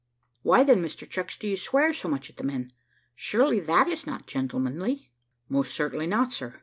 "Why, then, Mr Chucks, do you swear so much at the men? surely that is not gentlemanly?" "Most certainly not, sir.